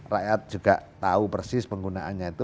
rakyat juga tahu persis penggunaannya itu